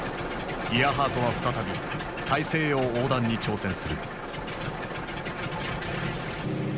イアハートは再び大西洋横断に挑戦する。